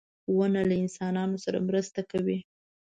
• ونه له انسانانو سره مرسته کوي.